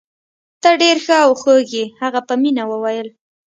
ته ډیر ښه او خوږ يې. هغه په مینه وویل.